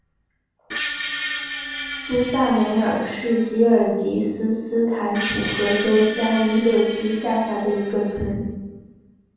苏萨梅尔是吉尔吉斯斯坦楚河州加依勒区下辖的一个村。